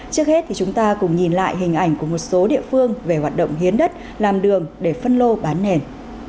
trước hết thì chúng ta cùng nhìn lại hình ảnh của một số địa phương về hoạt động hiến đất làm đường để phân lô bán nền